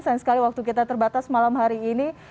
sayang sekali waktu kita terbatas malam hari ini